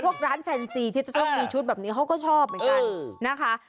พวกร้านแฟนซีที่จะต้องมีชุดแบบนี้เขาก็ชอบเหมือนกันนะคะ